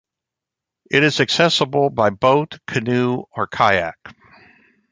It is accessible by boat, canoe, or kayak.